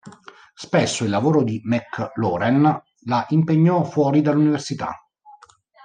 Spesso, il lavoro di McLaren la impegnò fuori dall'università.